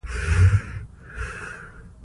خاوره د افغانستان د اقلیمي نظام ښکارندوی ده.